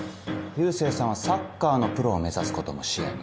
佑星さんはサッカーのプロを目指すことも視野に？